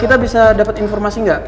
kita bisa dapat informasi nggak